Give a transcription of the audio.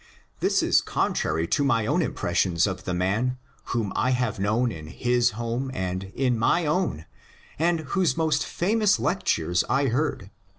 This is contrary to my own impressions of the man, whom I have known in his home and in my own, and whose most famous lectures I heard.